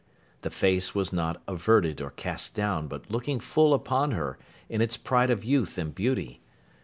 The face was not averted or cast down, but looking full upon her, in its pride of youth and beauty.